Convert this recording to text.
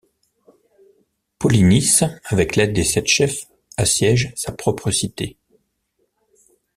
Polynice, avec l'aide des Sept chefs, assiège sa propre cité.